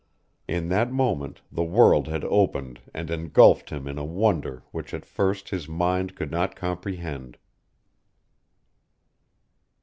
In that moment the world had opened and engulfed him in a wonder which at first his mind could not comprehend.